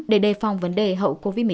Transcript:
để đề phòng vấn đề hậu covid một mươi chín